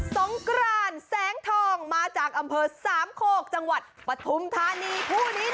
สงกรานแสงทองมาจากอำเภอสามโคกจังหวัดปฐุมธานีคู่นี้